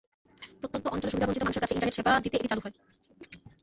প্রত্যন্ত অঞ্চলের সুবিধাবঞ্চিত মানুষের কাছে ইন্টারনেট সেবা দিতে এটি চালু হয়।